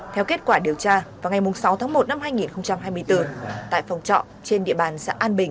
theo kết quả điều tra vào ngày sáu tháng một năm hai nghìn hai mươi bốn tại phòng trọ trên địa bàn xã an bình